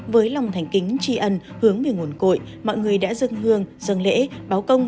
với lòng thành kính tri ân hướng về nguồn cội mọi người đã dân hương dân lễ báo công